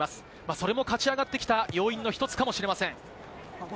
それも勝ち上がってきた要因の１つかもしれません。